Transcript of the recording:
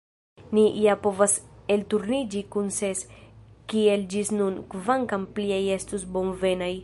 Ni ja povas elturniĝi kun ses, kiel ĝis nun, kvankam pliaj estus bonvenaj.